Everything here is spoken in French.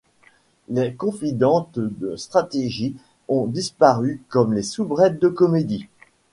Les confidentes de tragédie ont disparu comme les soubrettes de comédie.